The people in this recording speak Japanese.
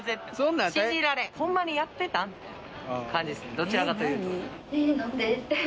どちらかというと。